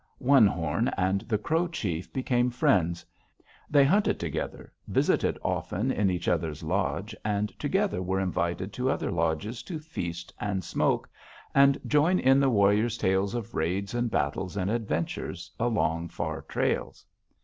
"One Horn and the Crow chief became friends. They hunted together, visited often in each other's lodge, and together were invited to other lodges to feast and smoke, and join in the warriors' tales of raids and battles and adventures along far trails.